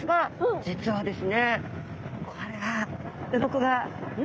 実はですね